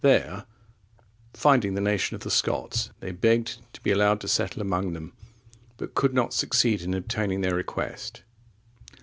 There, finding the nation of the Scots, they begged to be allowed to settle among them, but could not succeed in obtaining their request.